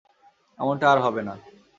এমনটা আর হবে না।